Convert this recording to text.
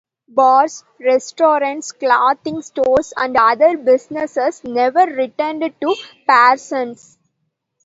Bars, restaurants, clothing stores and other businesses never returned to Parsons.